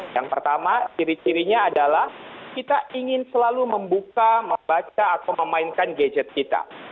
yang pertama ciri cirinya adalah kita ingin selalu membuka membaca atau memainkan gadget kita